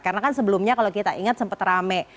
karena kan sebelumnya kalau kita ingat sempat rame